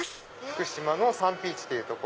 福島のサンピーチ。